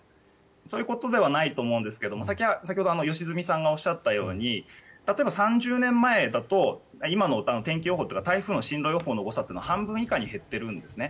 そんなことはないと思うんですが先ほど良純さんがおっしゃったように例えば３０年前だと今の台風の進路予想の誤差は半分以下に減っているんですね。